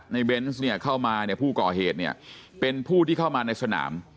เบนส์เนี่ยเข้ามาเนี่ยผู้ก่อเหตุเนี่ยเป็นผู้ที่เข้ามาในสนาม